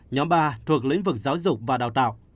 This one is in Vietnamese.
nhóm ba thuộc lĩnh vực giáo dục và đào tạo